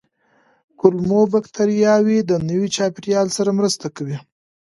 کولمو بکتریاوې د نوي چاپېریال سره مرسته کوي.